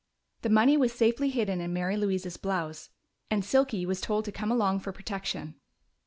The money was safely hidden in Mary Louise's blouse, and Silky was told to come along for protection.